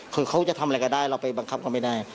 คือเขาจะทำอะไรก็ได้เราไปบังคับเขาไม่ได้